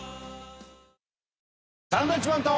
『サンドウィッチマンと』。